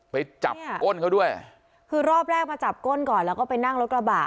ไปจับก้นเขาด้วยคือรอบแรกมาจับก้นก่อนแล้วก็ไปนั่งรถกระบะ